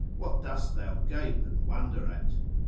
What dost thou gape and wonder at?